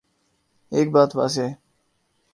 ایک بات واضح ہے۔